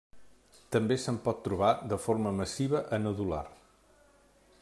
També se'n pot trobar de forma massiva a nodular.